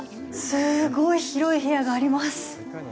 すごい広い部屋があります。